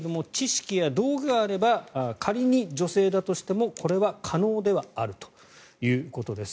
簡単ではないけれども知識や道具があれば仮に女性だとしてもこれは可能ではあるということです。